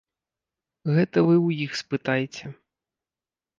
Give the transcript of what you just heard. Гэта вы ў іх спытайце.